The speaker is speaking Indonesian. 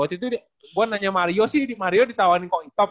waktu itu gue nanya mario sih mario ditawarin kok itop